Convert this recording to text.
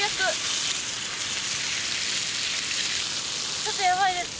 ちょっとやばいですか？